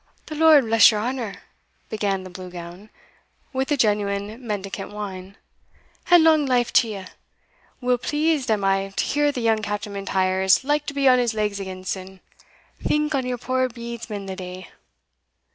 "The Lord bless your honour," began the Blue Gown, with the genuine mendicant whine, "and long life to you! weel pleased am I to hear that young Captain M'Intyre is like to be on his legs again sune Think on your poor bedesman the day."